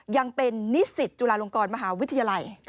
ยังเป็นนิสิตจุฬาลงกรมหาวิทยาลัย